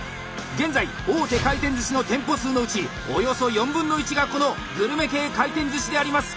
現在大手回転寿司の店舗数のうちおよそ４分の１がこのグルメ系回転寿司であります！